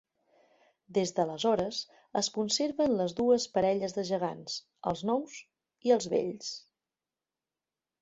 Des d'aleshores es conserven les dues parelles de gegants, els nous i els vells.